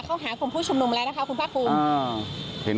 เข้าหาคุมผู้ชมนุมแล้วนะคะคุณภาคภูมิ